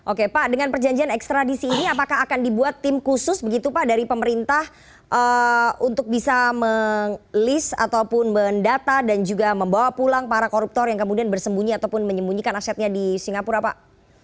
oke pak dengan perjanjian ekstradisi ini apakah akan dibuat tim khusus begitu pak dari pemerintah untuk bisa melis ataupun mendata dan juga membawa pulang para koruptor yang kemudian bersembunyi ataupun menyembunyikan asetnya di singapura pak